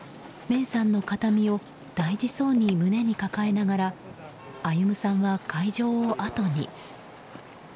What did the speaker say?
芽生さんの形見を大事そうに胸に抱えながら歩さんは会場を後に。